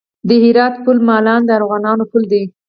د هرات پل مالان د ارغوانو پل دی